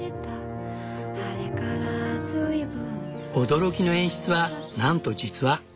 驚きの演出はなんと実話。